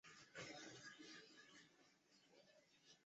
这一系列行为和用词让伯纳黛特开始正式怀疑他的性取向。